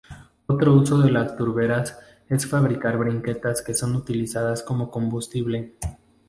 Otro uso de las turberas es para fabricar briquetas que son utilizadas como combustible.